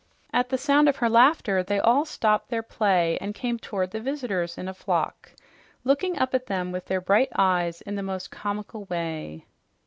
At the sound of her laughter they all stopped their play and came toward the visitors in a flock, looking up at them with their bright eyes in a most comical way.